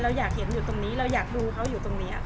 เราอยากเห็นอยู่ตรงนี้เราอยากดูเขาอยู่ตรงนี้